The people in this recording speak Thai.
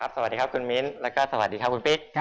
สวัสดีครับคุณมิ้นแล้วก็สวัสดีครับคุณปิ๊ก